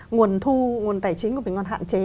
nguồn thu nguồn tài chính của bình còn hạn chế